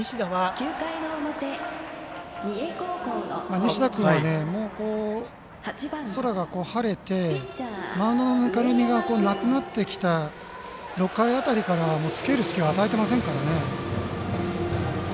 西田君は、空が晴れてマウンドのぬかるみがなくなってきた６回辺りからつけいる隙を与えていませんからね。